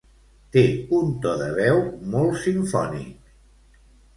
Té un to de veu molt simfònic